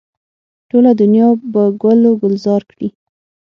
ټوله دنیا به ګل و ګلزاره کړي.